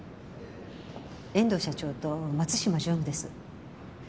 遠藤社長と松島常務です。